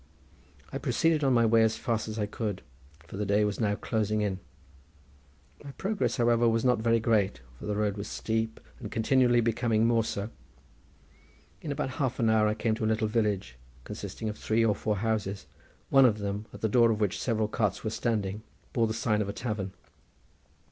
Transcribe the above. I proceeded on my way as fast as I could, for the day was now closing in. My progress, however, was not very great; for the road was steep, and was continually becoming more so. In about half an hour I came to a little village, consisting of three or four houses; one of them, at the door of which several carts were standing, bore the sign of a tavern.